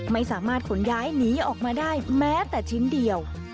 ไม่สามารถขนย้ายหนีออกมาได้แม้แต่ชิ้นเดียว